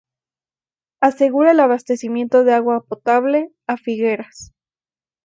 Asegura el abastecimiento de agua potable a Figueras.